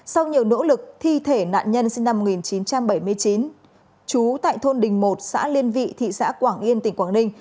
sau nhiều nỗ lực thi thể nạn nhân sinh năm một nghìn chín trăm bảy mươi chín trú tại thôn đình một xã liên vị thị xã quảng yên tỉnh quảng ninh